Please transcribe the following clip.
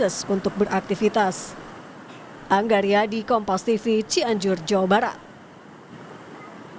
ini adalah satu dari beberapa hal yang harus dilakukan untuk beraktivitas